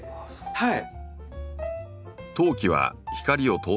はい。